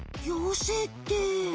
妖精って？